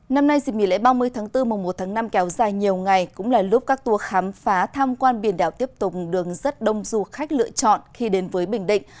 năm nay dịp mỉ lễ ba mươi tháng bốn mùa một tháng năm kéo dài nhiều ngày cũng là lúc các tour khám phá tham quan biển đảo tiếp tục đường rất đông du khách lựa chọn khi đến với bình định